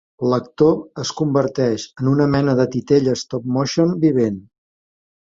L'actor es converteix en una mena de titella stop-motion vivent.